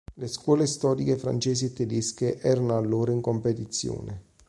Le scuole storiche francesi e tedesche erano allora in competizione.